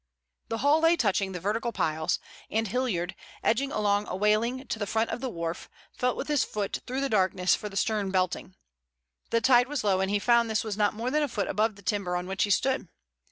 The hull lay touching the vertical piles, and Hilliard, edging along a waling to the front of the wharf, felt with his foot through the darkness for the stern belting. The tide was low and he found this was not more than a foot above the timber on which he stood.